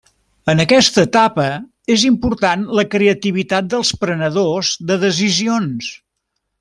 En aquesta etapa és important la creativitat dels prenedors de decisions.